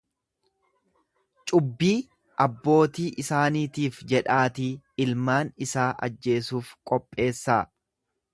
Cubbii abbootii isaaniitiif jedhaatii ilmaan isaa ajjeesuuf qopheessaa.